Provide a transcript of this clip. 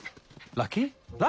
ラッキー！